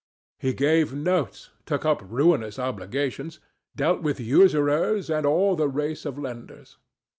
He gave notes, took up ruinous obligations, dealt with usurers, and all the race of lenders.